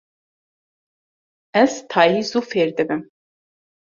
Ez tayî zû fêr dibim.